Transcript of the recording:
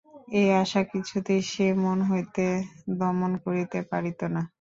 এ আশা কিছুতেই সে মন হইতে দমন করিতে পারিত না।